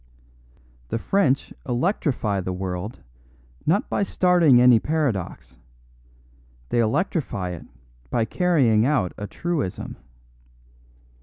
The French electrify the world not by starting any paradox, they electrify it by carrying out a truism.